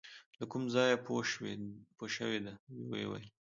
له کوم ځایه پوه شوې، ده ویل .